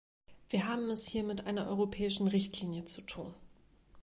Wir haben es hier mit einer europäischen Richtlinie zu tun.